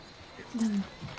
どうも。